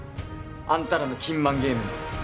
あんたらの金満ゲームに